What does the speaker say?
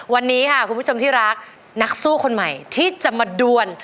วันนี้ค่ะคุณผู้ชมที่รักนักสู้คนใหม่ที่จะมาดวน